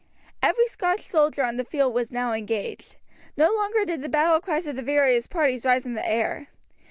Every Scotch soldier on the field was now engaged. No longer did the battle cries of the various parties rise in the air.